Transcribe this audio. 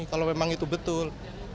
kalau memang itu betul